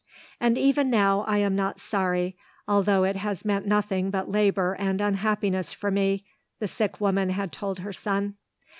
"And even now I am not sorry although it has meant nothing but labour and unhappiness for me," the sick woman had told her son.